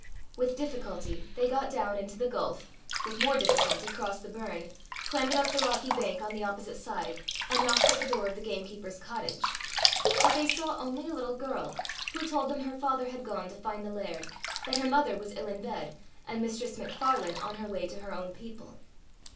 With difficulty they got down into the gulf, with more difficulty crossed the burn, clambered up the rocky bank on the opposite side, and knocked at the door of the gamekeeper's cottage. But they saw only a little girl, who told them her father had gone to find the laird, that her mother was ill in bed, and Mistress MacFarlane on her way to her own people.